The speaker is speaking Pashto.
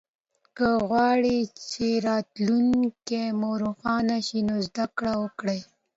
که غواړی چه راتلونکې مو روښانه شي نو زده ګړې وکړئ